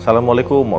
assalamualaikum wr wb